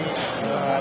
ya jadi gini